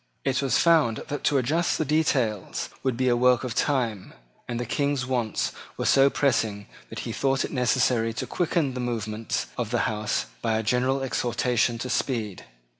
It was found that to adjust the details would be a work of time; and the King's wants were so pressing that he thought it necessary to quicken the movements of the House by a gentle exhortation to speed.